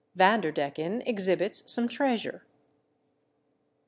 VANDERDECKEN EXHIBITS SOME TREASURE.